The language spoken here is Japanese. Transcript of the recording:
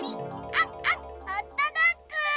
ワンワンホットドッグ！